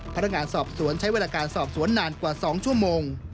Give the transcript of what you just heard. พนักงานสอบสวนใช้เวลาการสอบสวนนานกว่า๒ชั่วโมง